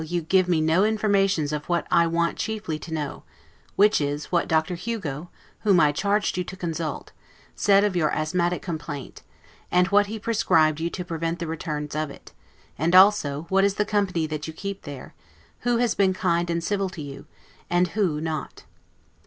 you give me no informations of what I want chiefly to know; which is, what Dr. Hugo (whom I charged you to consult) said of your asthmatic complaint, and what he prescribed you to prevent the returns of it; and also what is the company that, you keep there, who has been kind and civil to you, and who not.